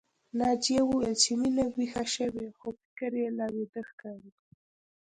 ناجيې وويل چې مينه ويښه شوې خو فکر يې لا ويده ښکاري